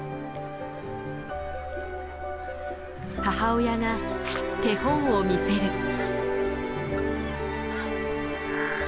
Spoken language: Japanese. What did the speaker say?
母親が手本を見せる。